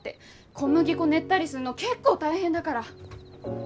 小麦粉練ったりすんの結構大変だから。